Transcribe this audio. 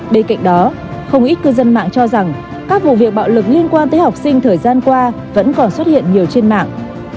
bên cạnh đó không ít cư dân mạng cho rằng các vụ việc bạo lực liên quan tới học sinh thời gian qua vẫn còn xuất hiện nhiều trên mạng